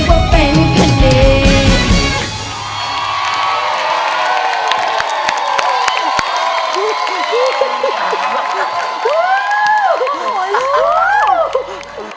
ก็เคยดูนึกว่าเป็นคนอีก